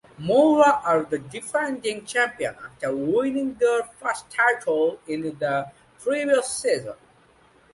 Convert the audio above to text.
Mura are the defending champions after winning their first title in the previous season.